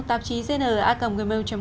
tạp chí dn acom gmail com